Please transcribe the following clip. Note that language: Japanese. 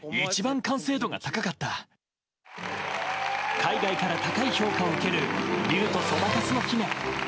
海外から高い評価を受ける「竜とそばかすの姫」。